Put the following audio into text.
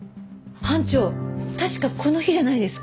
班長確かこの日じゃないですか？